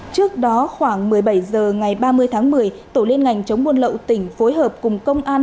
trước đó khoảng một mươi bảy h ngày ba mươi tháng một mươi tổ liên ngành chống buôn lậu tỉnh phối hợp cùng công an